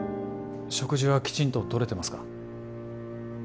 食事はきちんととれてますか？